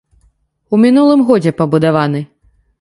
У мінулым годзе пабудаваны.